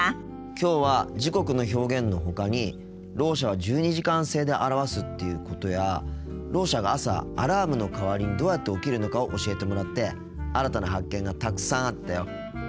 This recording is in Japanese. きょうは時刻の表現のほかにろう者は１２時間制で表すっていうことやろう者が朝アラームの代わりにどうやって起きるのかを教えてもらって新たな発見がたくさんあったよ。